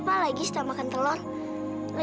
postal illness kan luar biasa kan